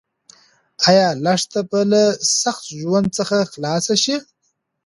ایا لښته به له سخت ژوند څخه خلاص شي؟